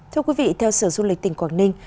thưa quý vị theo sở du lịch tỉnh quảng ninh